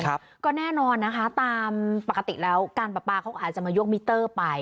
ครับก็แน่นอนนะคะตามปกติแล้วการประปาเขาก็อาจจะมายกมิเตอร์ไป